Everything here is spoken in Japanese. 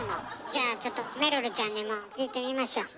じゃあちょっとめるるちゃんにも聞いてみましょう。